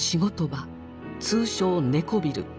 通称猫ビル。